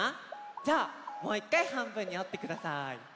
じゃあもういっかいはんぶんにおってください。